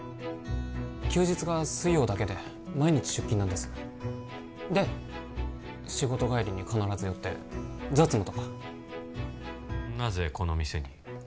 休日が水曜だけで毎日出勤なんですで仕事帰りに必ず寄って雑務とかなぜこの店に？